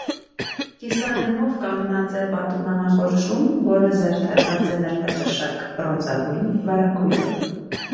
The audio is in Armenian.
Կիսադեմով կանգնած է պատուհանախորշում, որը զարդարված է նրբաճաշակ բրոնզագույն վարագույրով։